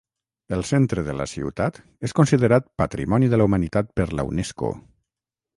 El centre de la ciutat és considerat Patrimoni de la humanitat per la Unesco.